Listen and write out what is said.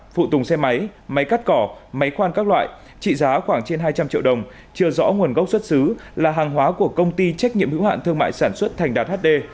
phụ tùng xe máy máy cắt cỏ máy khoan các loại trị giá khoảng trên hai trăm linh triệu đồng chưa rõ nguồn gốc xuất xứ là hàng hóa của công ty trách nhiệm hữu hạn thương mại sản xuất thành đạt hd